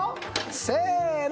せの！